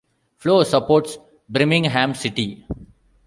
Flo supports Birmingham City.